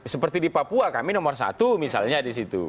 seperti di papua kami nomor satu misalnya di situ